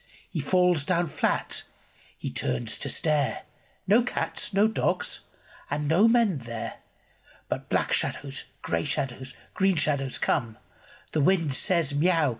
He falls down flat. H)e turns to stare — No cats, no dogs, and no men there. But black shadows, grey shadows, green shadows come. The wind says, " Miau !